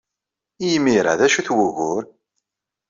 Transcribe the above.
I yimir-a, d acu-t wugur?